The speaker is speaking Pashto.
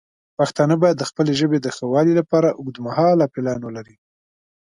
پښتانه باید د خپلې ژبې د ښه والی لپاره اوږدمهاله پلان ولري.